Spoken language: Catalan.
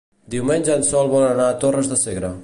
Diumenge en Sol vol anar a Torres de Segre.